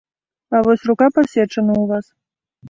А вось рука пасечана ў вас.